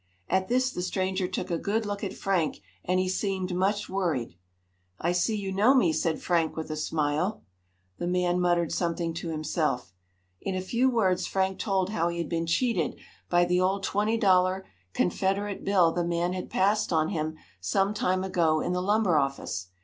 At this the stranger took a good look at Frank, and he seemed much worried. "I see you know me," said Frank with a smile. The man muttered something to himself. In a few words Frank told how he had been cheated by the old twenty dollar Confederate bill the man had passed on him some time ago, in the lumber office.